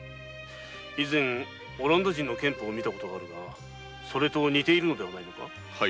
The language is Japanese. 以前オランダ人の剣法を見たがそれと似ているのではないか？